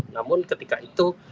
namun ketika itu